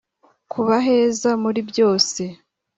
kubaheza muri byose